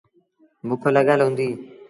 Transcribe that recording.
بُک لڳل هُݩديٚ۔